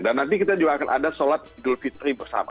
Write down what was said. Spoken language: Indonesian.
dan nanti kita juga akan ada sholat gul fitri bersama